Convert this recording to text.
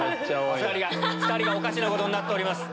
２人がおかしなことになっております。